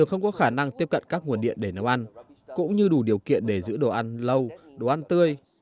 không có khả năng tiếp cận các nguồn điện để nấu ăn cũng như đủ điều kiện để giữ đồ ăn lâu đồ ăn tươi